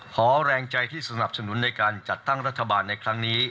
แรงใจที่สนับสนุนในการจัดตั้งรัฐบาลในครั้งนี้